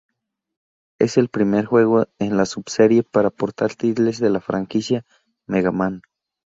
Es el primer juego en la subserie para portátiles de la franquicia "Mega Man".